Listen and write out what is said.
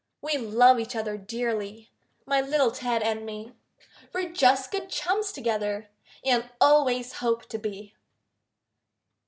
We love each other dearly, My little Ted and me. We're just good chums together, And always hope to be.